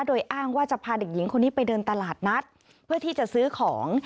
โดยอ้างว่าจะพาเด็กหญิงคนนี้ไปเดินตลาดนัดเพื่อที่จะซื้อของ